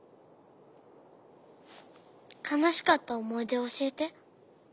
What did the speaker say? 悲しかった思い出を教えて。